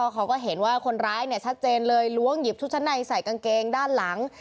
เขาก็เห็นว่าคนร้ายชัดเจนเลยล้วงหยิบชุดชั้นในใส่กางเกงด้านหลัง